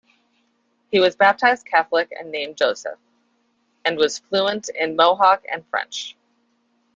He was baptized Catholic and named Joseph, and was fluent in Mohawk and French.